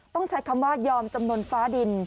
ต้องใช้คำว่ายอมจำนวนฟ้าดิน